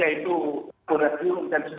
bodasiru dan sebagainya